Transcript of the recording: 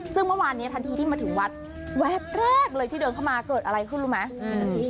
ซึ่งเมื่อวานนี้ทันทีที่มาถึงวัดแวบแรกเลยที่เดินเข้ามาเกิดอะไรขึ้นรู้ไหมอืม